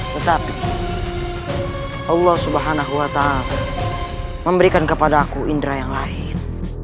tetapi allah swt memberikan kepadaku indera yang lain